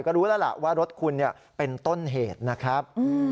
ก็รู้แล้วล่ะว่ารถคุณเป็นต้นเหตุนะครับ